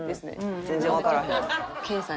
全然わからへん。